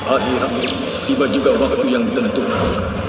akhirnya tiba juga waktu yang ditentukan